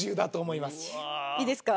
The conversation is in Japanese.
いいですか？